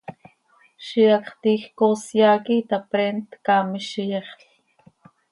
Ziix hacx tiij coos yaa quih itapreent, caamiz z iyexl.